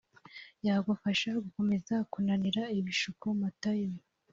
yagufasha gukomeza kunanira ibishuko matayo